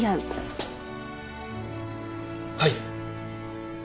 はい！